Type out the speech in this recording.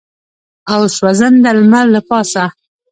او سوځنده لمر له پاسه.